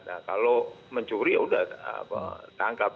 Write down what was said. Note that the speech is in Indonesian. nah kalau mencuri ya udah tangkap